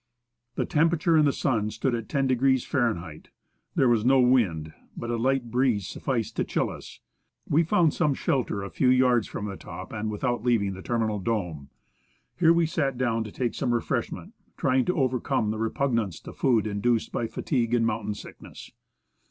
The temperature in the sun stood at 10° Fahr. ; there was no wind, but a light breeze sufficed to chill us. We found some shelter a few yards from the top, and without leaving the terminal dome. Here we sat down to take some refreshment, trying to overcome the repugnance to food induced by fatigue and mountain sickness.